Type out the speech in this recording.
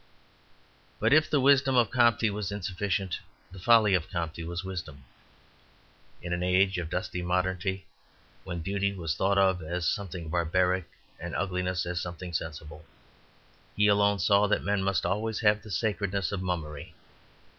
But if the wisdom of Comte was insufficient, the folly of Comte was wisdom. In an age of dusty modernity, when beauty was thought of as something barbaric and ugliness as something sensible, he alone saw that men must always have the sacredness of mummery.